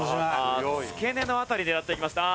付け根の辺り狙っていきました。